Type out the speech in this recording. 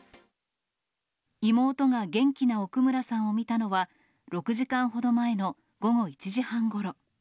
妹が元気な奥村さんを見たのは、６時間ほど前の午後１時半ごろ。